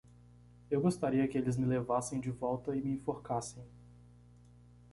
Eu gostaria que eles me levassem de volta e me enforcassem.